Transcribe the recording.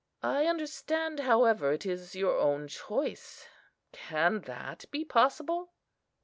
I understand, however, it is your own choice; can that be possible?"